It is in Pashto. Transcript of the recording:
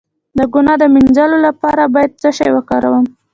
د ګناه د مینځلو لپاره باید څه شی وکاروم؟